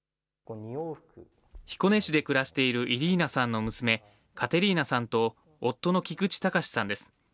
彦根市で暮らしているイリーナさんの娘、カテリーナさんと夫の菊地崇さんです。